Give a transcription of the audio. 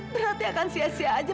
berarti akan sia sia aja